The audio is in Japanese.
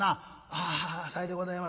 「ああさいでございます。